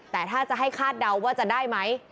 แต่ถ้าจะให้คาดเดาว่าจะได้ไหม